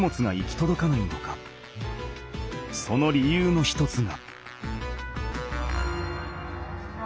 その理由の一つが。